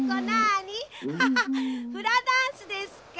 ハハハフラダンスですか。